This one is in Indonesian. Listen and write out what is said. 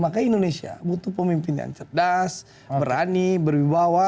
maka indonesia butuh pemimpinan cerdas berani berbibawah